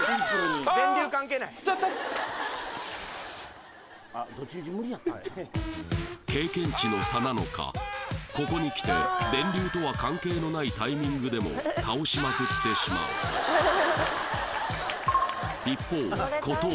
ちょちょ経験値の差なのかここにきて電流とは関係のないタイミングでも倒しまくってしまうウソ？